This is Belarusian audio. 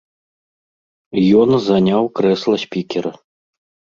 Ён заняў крэсла спікера.